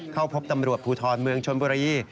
เข้าพบตำรวจภูทรเมืองชนบุรี